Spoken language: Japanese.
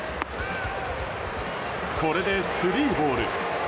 これでスリーボール。